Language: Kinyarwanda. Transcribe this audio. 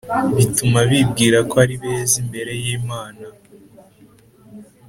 bituma bibwira ko ari beza imbere y'Imana.